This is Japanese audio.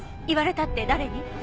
言われたって誰に！？